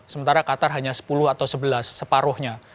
sementara qatar hanya sepuluh atau sebelas separuhnya